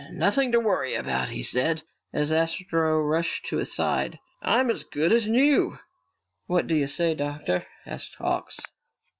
"Nothing to worry about," he said, as Astro rushed to his side. "I'm as good as new!" "What do you say, Doctor?" asked Hawks.